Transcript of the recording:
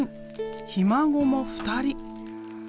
ひ孫も２人。